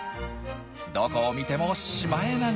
どこを見てもシマエナガ！